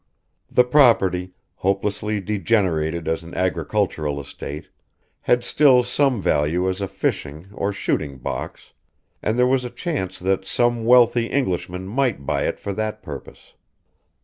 The property, hopelessly degenerated as an agricultural estate, had still some value as a fishing or shooting box, and there was a chance that some wealthy Englishman might buy it for that purpose.